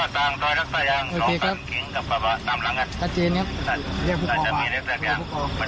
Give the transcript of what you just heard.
โมงมาถึงติมิชชอบ๖ขุมรถ